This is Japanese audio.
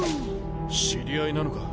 知り合いなのか？